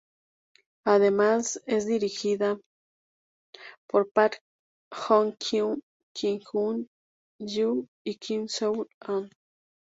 Además, es dirigida por Park Hong Kyun, Kim Jung Hyun y Kim Seul Ah.